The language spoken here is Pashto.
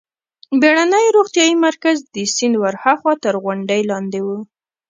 بېړنی روغتیايي مرکز د سیند ورهاخوا تر غونډۍ لاندې و.